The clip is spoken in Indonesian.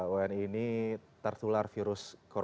wni ini tertular virus itu kan